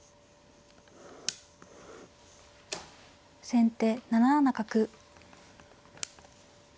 先手７七角。